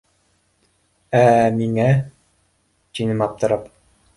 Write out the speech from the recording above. — Ә миңә? — тинем аптырам.